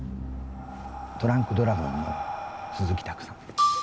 ドランクドラゴンの鈴木拓さん。